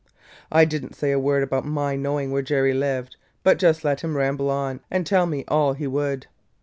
"I did n't say a word about my knowing where Jerry lived but just let him ramble on and tell me all he would.